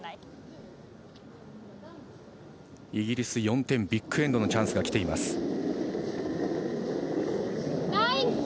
イギリス、４点、ビッグエンドのチャンスが来ています。